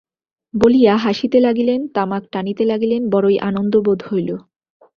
বলিয়া হাসিতে লাগিলেন, তামাক টানিতে লাগিলেন, বড়োই আনন্দ বোধ হইল।